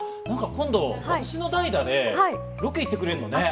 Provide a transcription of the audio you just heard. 今度、私の代打でロケ行ってくれるのね。